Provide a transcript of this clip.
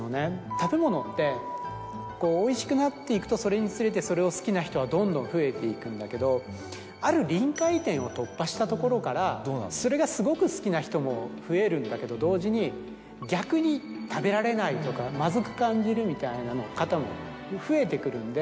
食べ物っておいしくなっていくとそれにつれてそれを好きな人はどんどん増えていくんだけどある臨界点を突破したところからそれがすごく好きな人も増えるんだけど同時に逆に食べられないとかまずく感じるみたいな方も増えてくるんで。